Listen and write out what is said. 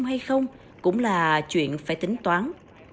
nếu không hay không cũng là chuyện phải tính toán